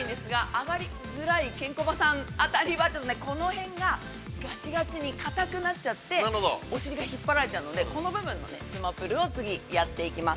上がりづらい、ケンコバさんあたりは、この辺ががちがちに、かたくなっちゃって、お尻が引っ張られちゃうので、この部分のつまぷるをやっていきます。